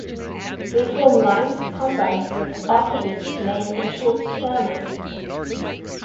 They formed lines, combined with arquebus men and short spearmen.